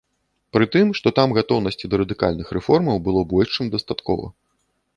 Прытым, што там гатоўнасці да радыкальных рэформаў было больш чым дастаткова.